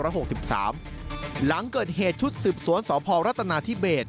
หลังเกิดเหตุชุดสืบสวนสพรัฐนาธิเบส